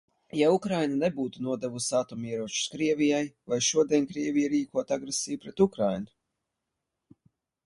Ja Ukraina nebūtu nodevusi atomieročus Krievijai, vai šodien Krievija rīkotu agresiju pret Ukrainu?